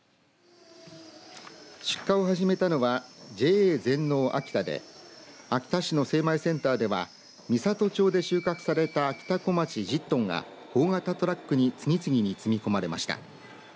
出荷を始めたのはＪＡ全農あきたで秋田市の精米センターでは美郷町で収穫されたあきたこまち１０トンが大型トラックに次々に積み込まれました。